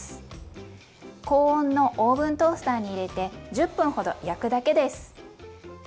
高温のオーブントースターに入れて１０分ほど焼くだけです。